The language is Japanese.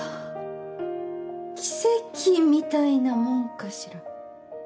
奇跡みたいなもんかしら。